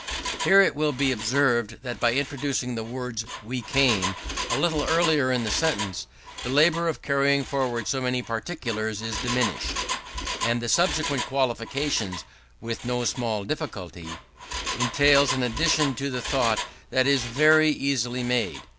Here it will be observed that by introducing the words "we came" a little earlier in the sentence, the labour of carrying forward so many particulars is diminished, and the subsequent qualification "with no small difficulty" entails an addition to the thought that is very easily made.